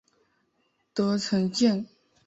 德城线